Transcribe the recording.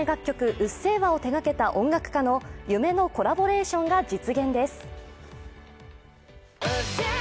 「うっせぇわ」を手がけた音楽家の夢のコラボレーションが実現です。